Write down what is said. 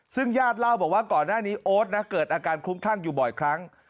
ซึ่งญาติเล่าบอกว่าก่อนหน้านี้โอ๊ตนะเกิดอาการคลุ้มคลั่งอยู่บ่อยครั้ง